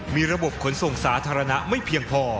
มีระบบขนส่งสาธารณะไม่เพียงพอ